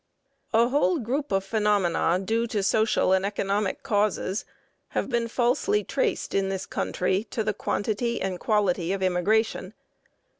A whole group of phenomena due to social and economic causes have been falsely traced, in this country, to the quantity and quality of immigration.